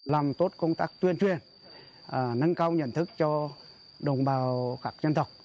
làm tốt công tác tuyên truyền nâng cao nhận thức cho đồng bào các dân tộc